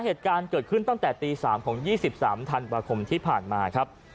เหตุการณ์เกิดขึ้นตั้งแต่ตี๓ของ๒๓ธันวาคมที่ผ่านมาครับ